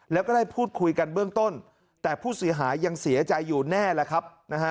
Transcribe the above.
แล้วก็ได้พูดคุยกันเบื้องต้นแต่ผู้เสียหายยังเสียใจอยู่แน่แล้วครับนะฮะ